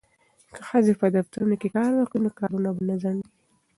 که ښځې په دفترونو کې کار وکړي نو کارونه به نه ځنډیږي.